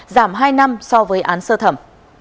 giảm hai năm so với án sơ thẩm